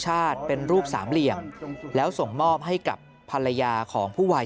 เป็นรูปสามเหลี่ยมแล้วส่งมอบให้กับภรรยาของผู้วัย